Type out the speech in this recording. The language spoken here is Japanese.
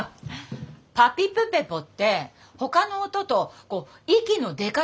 パピプペポってほかの音とこう息の出方が違うんだって。